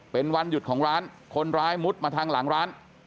เป็นวันหยุดของร้านคนร้ายมุดมาทางหลังร้าน